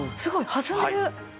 弾んでる！